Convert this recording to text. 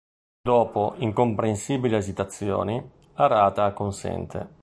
Dopo incomprensibili esitazioni, Arata acconsente.